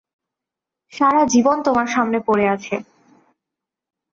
সারা জীবন তোমার সামনে পড়ে আছে।